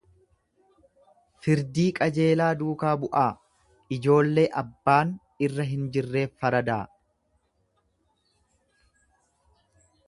Firdii qajeelaa duukaa bu'aa, ijoollee abbaan irra hin jirreef faradaa!